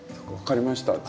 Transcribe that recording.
分かりました。